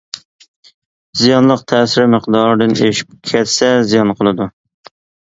زىيانلىق تەسىرى مىقدارىدىن ئېشىپ كەتسە زىيان قىلىدۇ.